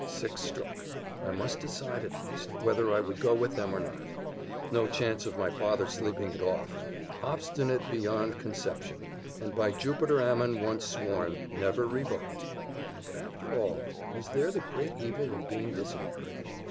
Six struck; I must decide at least, whether I would go with them or not. No chance of my father sleeping it off! Obstinate beyond conception; and by Jupiter Ammon once sworn, never revoked. But after all, where was the great evil of being disinherited?